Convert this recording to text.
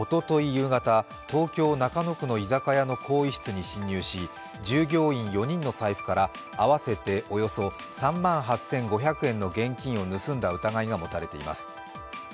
夕方、東京・中野区の居酒屋の更衣室に侵入し従業員４人の財布から合わせておよそ３万８５００円の現金を盗んだ疑いが持たれています。